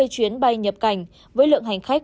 chuyến bay nhập cảnh với lượng hành khách